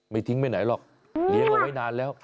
ไม่ทิ้งไปไหนหรอกเลี้ยงกันไม่นานแล้ว